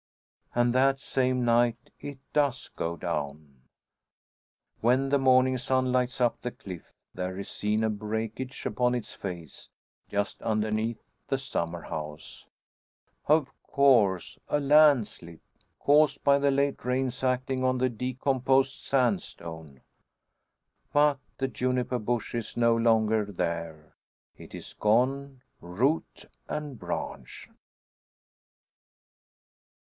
And that same night it does go down. When the morning sun lights up the cliff, there is seen a breakage upon its face just underneath the summer house. Of course, a landslip, caused by the late rains acting on the decomposed sandstone. But the juniper bush is no longer there; it is gone, root and branch!